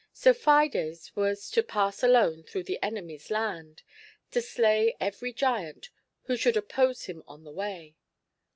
So Fides was to pass alone through the enemy's land, to slay every giant who should oppose him on the way.